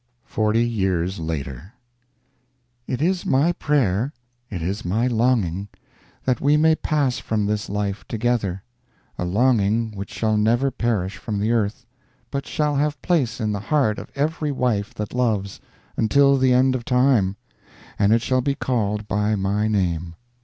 Forty Years Later It is my prayer, it is my longing, that we may pass from this life together a longing which shall never perish from the earth, but shall have place in the heart of every wife that loves, until the end of time; and it shall be called by my name.